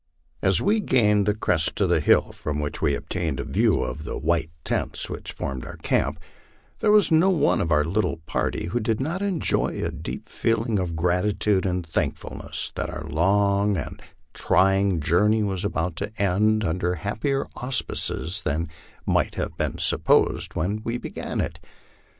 As we gained the crest of the hill from which we obtained a view of the white tents which formed our camp, there was no one of our little party who did not enjoy a deep feeling of gratitude and thankfulness that our long and trying journey Avas about to end under happier auspices than many might have supposed when we began it.